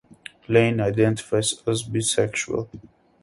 Lane identifies as bisexual.